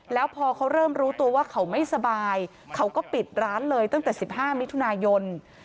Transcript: แล้วพอเขาเริ่มรู้ตัวว่าเขาไม่สบายเขาก็ปิดร้านเลยตั้งแต่๑๕มิถุนายน